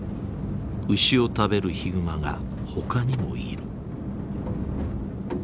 牛を食べるヒグマがほかにもいる。